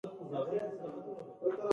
ده خپله لاره وهله د خپل څښتن پسې روان و.